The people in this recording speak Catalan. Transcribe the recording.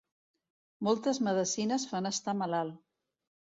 Moltes medecines fan estar malalt.